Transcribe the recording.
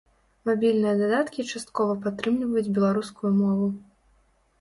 Мабільныя дадаткі часткова падтрымліваюць беларускую мову.